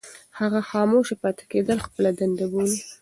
هغه خاموشه پاتې کېدل خپله دنده بولي.